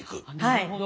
なるほど。